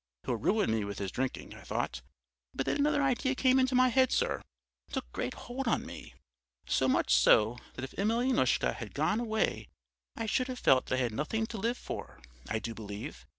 He'll ruin me with his drinking, I thought, but then another idea came into my head, sir, and took great hold on me. So much so that if Emelyanoushka had gone away I should have felt that I had nothing to live for, I do believe....